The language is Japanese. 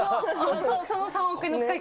その３億円の使い方。